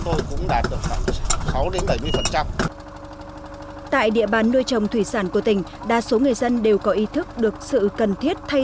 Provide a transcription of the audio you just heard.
tại địa bàn nuôi trồng thủy sản của tỉnh đa số người dân đều có ý thức được sự cần thiết thay